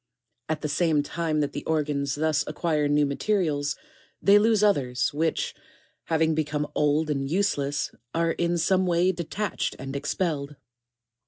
3. At the same time that the organs thus acquire new mate rials, they lose others, which, having become old and useless, are in some way detached and expelled.